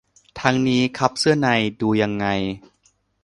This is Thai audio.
ทั้งนี้ คัพเสื้อใน ดูยังไง